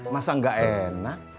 masa gak enak